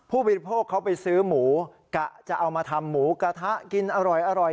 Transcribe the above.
ผู้บริโภคเขาไปซื้อหมูกะจะเอามาทำหมูกระทะกินอร่อย